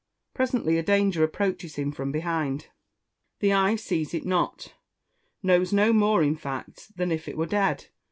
Presently a danger approaches him from behind. The eye sees it not knows no more, in fact, than if it were dead.